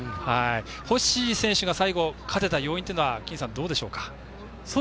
星選手が最後勝てた要因というのはどうでしょうか？